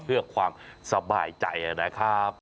เพื่อความสบายใจนะครับ